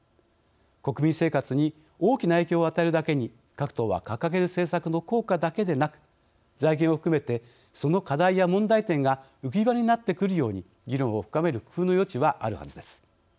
国民生活に大きな影響を与えるだけに各党は、掲げる政策の効果だけでなく、財源を含めてその課題や問題点が浮き彫りになってくるように議論を深める工夫の余地はあるはずです。